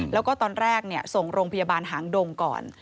แล้วก็ตอนแรกส่งโรงพยาบาลหางดงก่อน